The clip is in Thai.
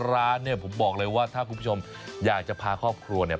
ร้านเนี่ยผมบอกเลยว่าถ้าคุณผู้ชมอยากจะพาครอบครัวเนี่ย